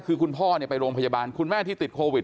คือคุณพ่อไปโรงพยาบาลคุณแม่ที่ติดโควิด